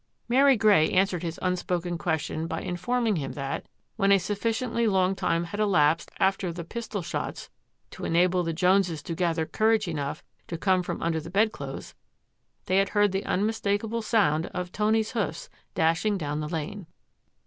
Mary Grey answered his unspoken question by informing him that, when a sufficiently long time had elapsed after the pistol shots to enable the Joneses to gather courage enough to come from under the bed clothes, they had heard the unmis takable sound of Tony's hoofs dashing down the lane.